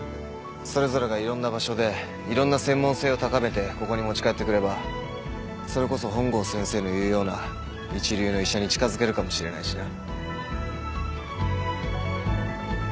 それぞれがいろんな場所でいろんな専門性を高めてここに持ち帰ってくればそれこそ本郷先生の言うような一流の医者に近づけるかもしれないしな。